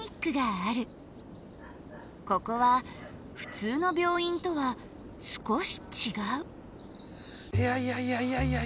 ここは普通の病院とは少し違ういやいやいやいやいやいや。